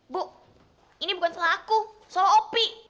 bu ini bukan salah aku salah opi